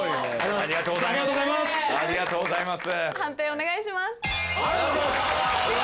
ありがとうございます。